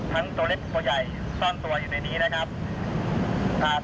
ทั้งตัวลิฟต์โคตรใหญ่ซ่อนตัวอยู่ในนี้นะครับ